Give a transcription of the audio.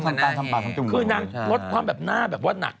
คือน่าพรมารรดิพคลมแบบหน้าหนัก